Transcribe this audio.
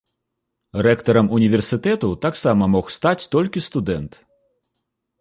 Рэктарам універсітэту таксама мог стаць толькі студэнт.